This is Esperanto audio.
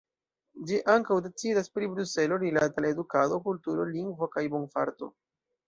Ĝi ankaŭ decidas pri Bruselo rilate al edukado, kulturo, lingvo kaj bonfarto.